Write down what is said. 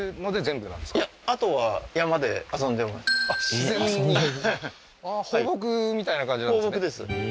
自然にああ放牧みたいな感じなんですね